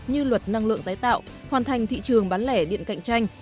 như luật năng lượng tái tạo hoàn thành thị trường bán lẻ điện cạnh tranh